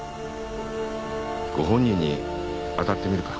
ご本人に当たってみるか。